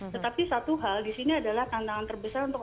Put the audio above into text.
tetapi satu hal di sini adalah tantangan terbesar untuk